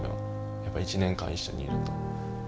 やっぱり１年間一緒にいると。